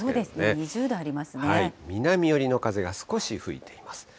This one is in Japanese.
南寄りの風が少し吹いています。